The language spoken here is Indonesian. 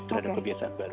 terhadap kebiasaan baru